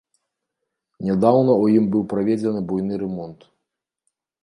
Нядаўна ў ім быў праведзены буйны рамонт.